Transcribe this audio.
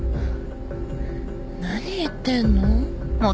何言ってんの？